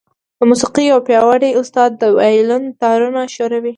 د موسيقۍ يو پياوړی استاد د وايلون تارونه ښوروي.